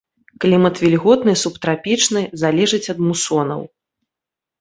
Клімат вільготны субтрапічны, залежыць ад мусонаў.